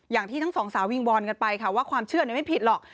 อย่างที่ทั้งสองสาววิงวอนกันไปค่ะว่าความเชื่อไม่ผิดหรอก